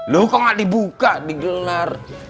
loh kok gak dibuka digelar